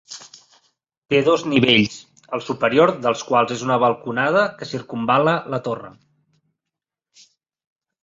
Té dos nivells, el superior dels quals és una balconada que circumval·la la torre.